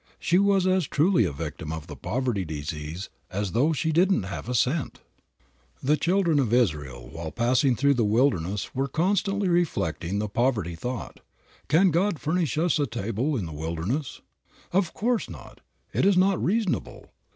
She was as truly a victim of the poverty disease as though she didn't have a cent. The children of Israel while passing through the wilderness were constantly reflecting the poverty thought, "Can God furnish for us a table in the wilderness? Of course not, it is not reasonable.